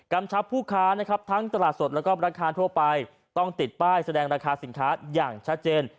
ชับผู้ค้านะครับทั้งตลาดสดแล้วก็ราคาทั่วไปต้องติดป้ายแสดงราคาสินค้าอย่างชัดเจน